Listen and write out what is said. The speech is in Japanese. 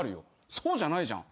そうじゃないじゃん。